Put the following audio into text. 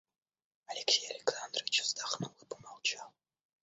Алексей Александрович вздохнул и помолчал.